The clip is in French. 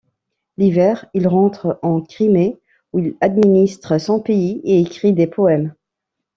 L'hiver, il rentre en Crimée où il administre son pays et écrit des poèmes.